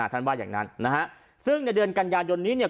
ว่าอย่างนั้นนะฮะซึ่งในเดือนกันยายนนี้เนี่ย